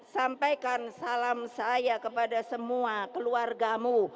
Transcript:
sampaikan salam saya kepada semua keluargamu